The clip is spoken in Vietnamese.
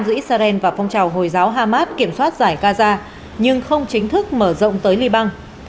giữa israel và phong trào hồi giáo hamas kiểm soát giải gaza nhưng không chính thức mở rộng tới liban